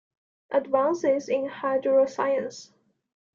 "Advances in Hydroscience".